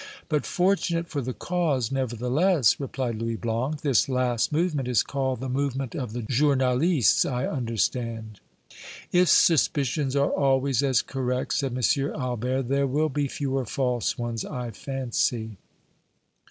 "But fortunate for the cause, nevertheless," replied Louis Blanc. "This last movement is called the movement of the journalists, I understand." "If suspicions are always as correct," said M. Albert, "there will be fewer false ones, I fancy."